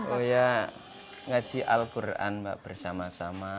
oh iya mengaji al quran bersama sama